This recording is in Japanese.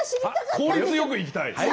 効率よくいきたい。